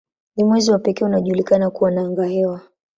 Ni mwezi wa pekee unaojulikana kuwa na angahewa.